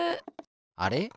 あれ？